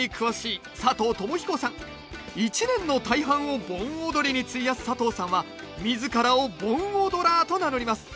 一年の大半を盆踊りに費やす佐藤さんは自らを「盆オドラー」と名乗ります。